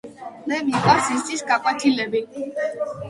მე მიყვარს ისტის გაკვეთილები